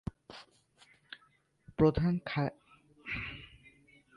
প্রধান খাড়িগুলি ইলিশ মাছের ডিম ছাড়ার স্থান, যা স্বাদের জন্য বিখ্যাত।